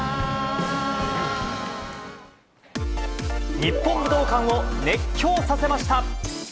日本武道館を熱狂させました。